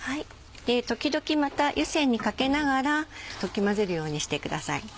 時々また湯煎にかけながら溶き混ぜるようにしてください。